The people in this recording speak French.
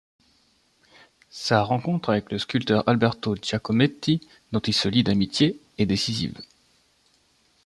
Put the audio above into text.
Sa rencontre avec le sculpteur Alberto Giacometti, dont il se lie d’amitié, est décisive.